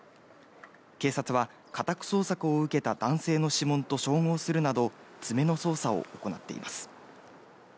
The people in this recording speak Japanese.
警察は、家宅捜索を受けた男性の指紋と照合するなど詰めの捜査を行っています。